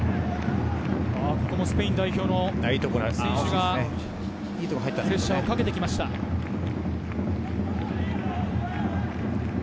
ここもスペイン代表の選手がプレッシャーをかけてきました。